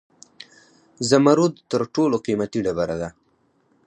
زمرد تر ټولو قیمتي ډبره ده